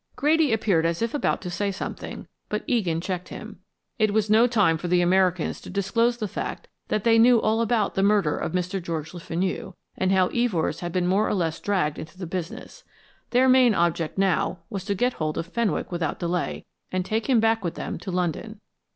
Grady appeared as if about to say something, but Egan checked him. It was no time for the Americans to disclose the fact that they knew all about the murder of Mr. George Le Fenu, and how Evors had been more or less dragged into the business. Their main object now was to get hold of Fenwick without delay, and take him back with them to London.